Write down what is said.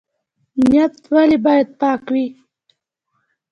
نیت ولې باید پاک وي؟